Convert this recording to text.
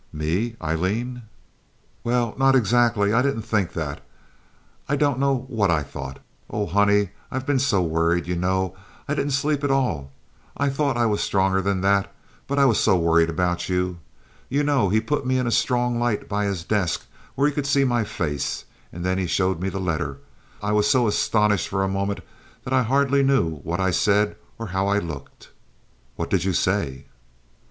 "Me, Aileen?" "Well, no, not exactly. I didn't think that. I don't know what I thought. Oh, honey, I've been so worried. You know, I didn't sleep at all. I thought I was stronger than that; but I was so worried about you. You know, he put me in a strong light by his desk, where he could see my face, and then he showed me the letter. I was so astonished for a moment I hardly know what I said or how I looked." "What did you say?"